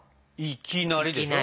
「いきなり」でしょ？